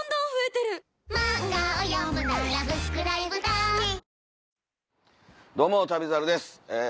本麒麟どうも『旅猿』です。